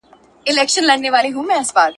زړه دي وچوه غمازه د بخت ستوری مي ځلیږي ,